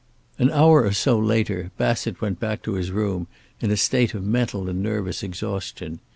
An hour or so later Bassett went back to his room in a state of mental and nervous exhaustion.